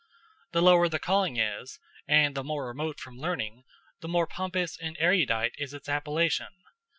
The lower the calling is, and the more remote from learning, the more pompous and erudite is its appellation.